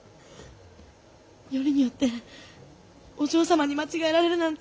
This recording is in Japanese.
よりによってお嬢様に間違えられるなんて。